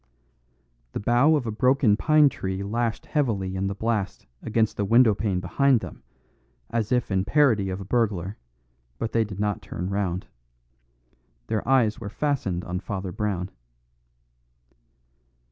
The bough of a broken pine tree lashed heavily in the blast against the windowpane behind them, as if in parody of a burglar, but they did not turn round. Their eyes were fastened on Father Brown.